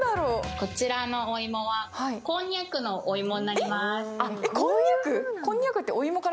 こちらのお芋は、こんにゃくのお芋になります。